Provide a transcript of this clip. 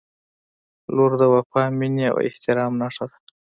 • لور د وفا، مینې او احترام نښه ده.